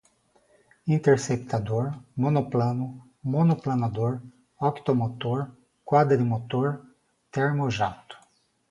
Interceptador, monoplano, monoplanador, octomotor, quadrimotor, termojato